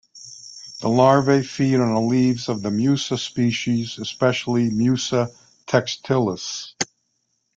The larvae feed on the leaves of "Musa" species, especially "Musa textilis".